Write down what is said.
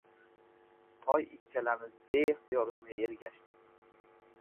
Toy ikkalamiz beixtiyor unga ergashdik.